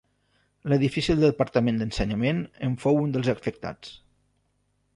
L'edifici del Departament d'Ensenyament en fou un dels afectats.